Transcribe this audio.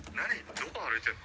どこ歩いてんの？